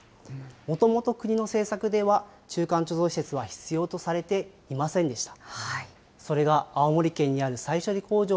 もともと国の政策では中間貯蔵施設は必要とされていませんでした。